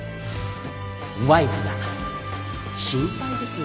ワイフが心配です。